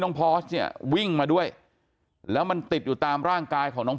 พอร์สเนี่ยวิ่งมาด้วยแล้วมันติดอยู่ตามร่างกายของน้อง